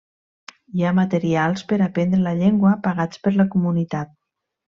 Hi ha materials per aprendre la llengua pagats per la comunitat.